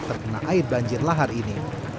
terkena air banjir lahar ini